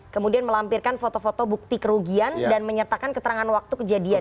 kemudian melampirkan foto foto bukti kerugian dan menyertakan keterangan waktu kejadian